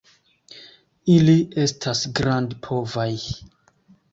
Ili estas grandpovaj.